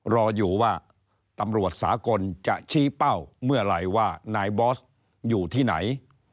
รออยู่ว่าตำรวจสากลจะชี้เป้าเมื่อไหร่ว่านายบอสอยู่ที่ไหน